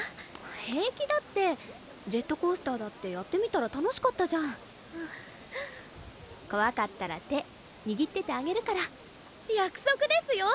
平気だってジェットコースターだってやってみたら楽しかったじゃん怖かったら手握っててあげるから約束ですよ